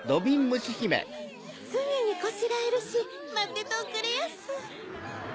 ・すぐにこしらえるしまってておくれやす。